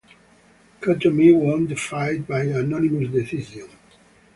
Kotomi won the fight by unanimous decision.